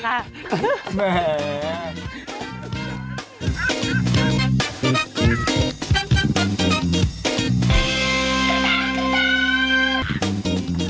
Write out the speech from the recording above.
แม่